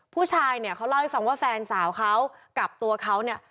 ผู้ชายเนี่ยเขาเล่าให้ฟังว่าแฟนสาวเขากับตัวเขาเนี่ย